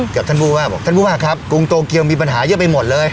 กับท่านผู้ว่าบอกท่านผู้ว่าครับกรุงโตเกียวมีปัญหาเยอะไปหมดเลย